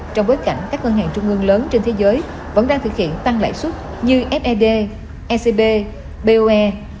trong bối cảnh các ngân hàng trung ương lớn trên thế giới vẫn đang thực hiện tăng lãi suất như fed ecb boe